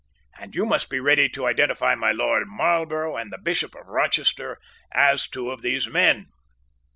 And you must be ready to identify my Lord Marlborough and the Bishop of Rochester as two of these men."